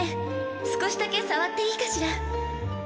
少しだけ触っていいかしら？